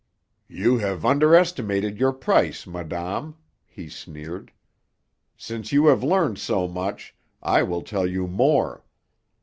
"You have underestimated your price, madame," he sneered. "Since you have learned so much, I will tell you more.